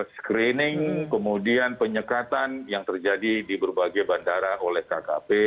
screening kemudian penyekatan yang terjadi di berbagai bandara oleh kkp